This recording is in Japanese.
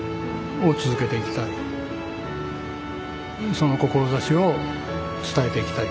その志を伝えていきたい。